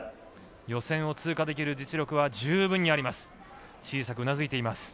予選を通過できる実力は十分にあります。